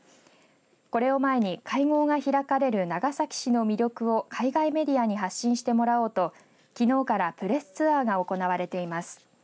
これを前に会合が開かれる長崎市の魅力を海外メディアに発信してもらおうときのうからプレスツアーが行われています。